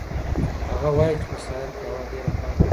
هغه وایي چې په سهار کې هوا ډېره پاکه وي.